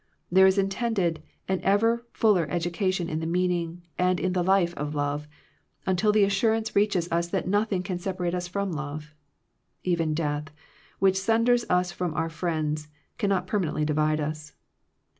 There is intended an ever fuller education in the meaning, and in the life of love, until the assurance reaches us that nothing can separate us from love. Even death, which sunders us from our friends, can not permanently divide us.